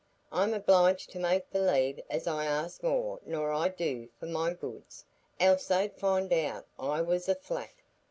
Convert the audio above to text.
I'm obliged to make believe as I ask more nor I do for my goods, else they'd find out I was a flat.